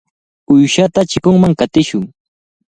Uyshata chikunman qatishun.